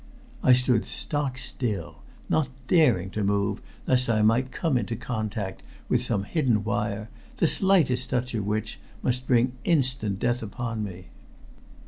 I stood stock still, not daring to move lest I might come into contact with some hidden wire, the slightest touch of which must bring instant death upon me.